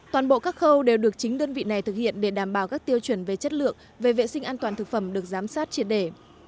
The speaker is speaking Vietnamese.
toàn bộ các khâu đều được chính đơn vị này thực hiện để đảm bảo các tiêu chuẩn về chất lượng về vệ sinh an toàn thực phẩm được giám sát triệt để